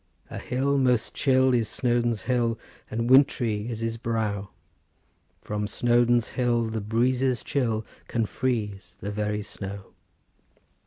"'A hill most chill is Snowdon's hill, And wintry is his brow; From Snowdon's hill the breezes chill Can freeze the very snow.